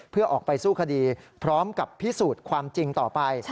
เพื่อออกไปสู้คดีพร้อมกับพิสูจน์ความจริงต่อไป